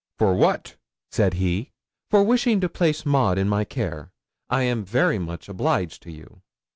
'"For what?" said he. '"For wishing to place Maud in my care. I am very much obliged to you."